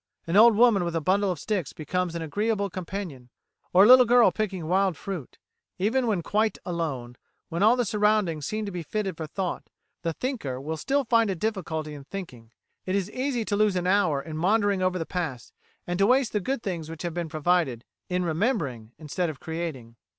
An old woman with a bundle of sticks becomes an agreeable companion, or a little girl picking wild fruit. Even when quite alone, when all the surroundings seem to be fitted for thought, the thinker will still find a difficulty in thinking. It is easy to lose an hour in maundering over the past, and to waste the good things which have been provided, in remembering instead of creating!"